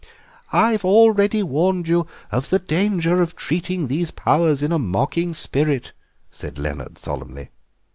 "I have already warned you of the danger of treating these powers in a mocking spirit," said Leonard solemnly.